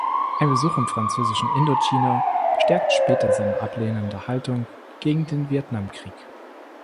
Ein Besuch im französischen Indochina bestärkte später seine ablehnende Haltung gegen den Vietnamkrieg.